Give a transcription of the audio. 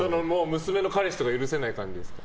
娘の彼氏とか許せない感じですか？